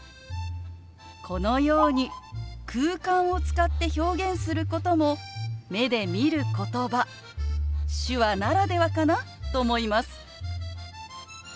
このように空間を使って表現することも目で見ることば手話ならではかなと思います。